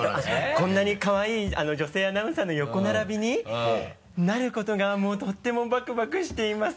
こんなにかわいい女性アナウンサーの横並びになることがもうとってもバクバクしています